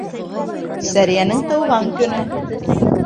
Сәриәнең тыуған көнө.